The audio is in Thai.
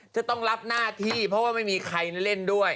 จะต้องรับหน้าที่เพราะว่าไม่มีใครเล่นด้วย